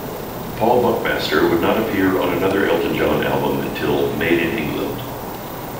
Paul Buckmaster would not appear on another Elton John album until "Made in England".